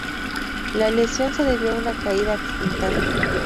La lesión se debió a una caída accidental.